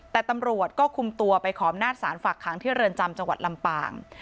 แต่ตำรวจก็คุมตัวไปขออำนาจศาลฝากขังที่เรือนจำจังหวัดลำปาง